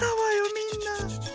みんな。